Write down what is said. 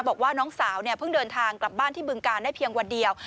บอกว่าน้องสาวเนี่ยเพิ่งเดินทางกลับบ้านที่บึงการได้เพียงวันเดียว